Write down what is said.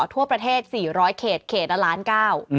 ทั่วประเทศ๔๐๐เขตเขตละล้านเก้า